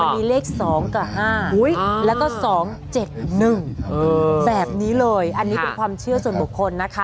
มีเลข๒กับ๕แล้วก็๒๗๑แบบนี้เลยอันนี้เป็นความเชื่อส่วนบุคคลนะคะ